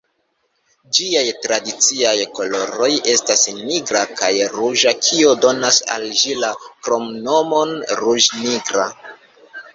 Ĝiaj tradiciaj koloroj estas nigra kaj ruĝa, kio donas al ĝi la kromnomon "ruĝ-nigra".